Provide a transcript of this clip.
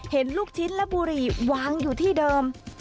ลูกชิ้นและบุหรี่วางอยู่ที่เดิม